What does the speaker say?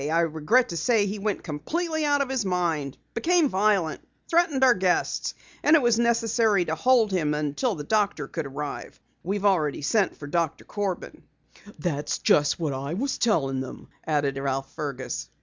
I regret to say he went completely out of his mind, became violent, threatened our guests, and it was necessary to hold him until the doctor could arrive. We've already sent for Doctor Corbin." "That's just what I was telling them," added Ralph Fergus.